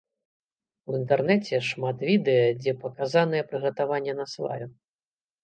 У інтэрнэце шмат відэа, дзе паказанае прыгатаванне насваю.